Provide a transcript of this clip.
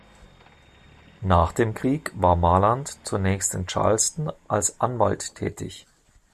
Nach dem Krieg war Marland zunächst in Charleston als Anwalt tätig.